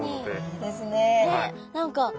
いいですね。